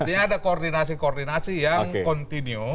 artinya ada koordinasi koordinasi yang kontinu